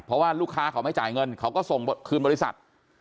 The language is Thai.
เพราะว่าลูกค้าเขาไม่จ่ายเงินเขาก็ส่งคืนบริษัท